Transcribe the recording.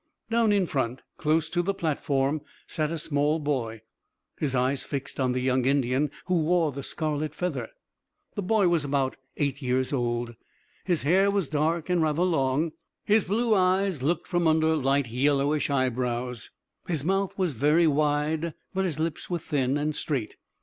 Down in front, close to the platform, sat a small boy, his eyes fixed on the young Indian who wore the scarlet feather. The boy was about eight years old. His hair was dark and rather long, his blue eyes looked from under light yellowish eyebrows, his mouth was very wide but his lips were thin and straight.